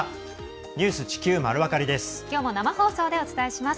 「ニュース地球まるわかり」です。